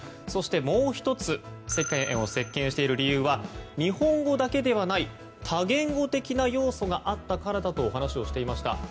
そして、もう１つ席巻している理由は日本語だけではない他言語的な要素があったからだと話をしていました。